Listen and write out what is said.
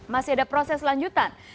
masih ada proses lanjutan